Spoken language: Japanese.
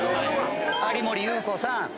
有森裕子さん。